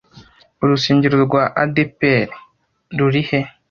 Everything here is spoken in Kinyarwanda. Urusengero rwa ADEPR ruri he